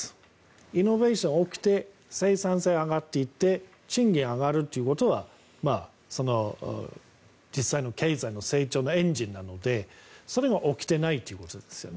イノベーションが起きて生産性が上がっていって賃金が上がるということが実際の経済の成長のエンジンなのでそれが起きてないということですね。